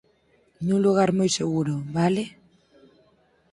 Nun lugar moi seguro, vale?